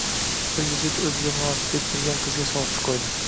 Bir yigit o'ziga munosib deb bilgan qizga sovchi qo'ydi